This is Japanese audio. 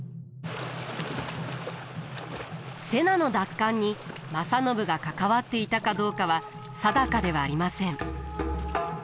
瀬名の奪還に正信が関わっていたかどうかは定かではありません。